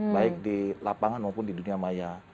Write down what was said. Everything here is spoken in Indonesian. baik di lapangan maupun di dunia maya